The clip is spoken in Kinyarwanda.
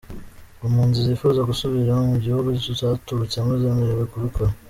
Ku mpunzi zifuza gusubira mu gihugu zaturutsemo, zemerewe kubikora.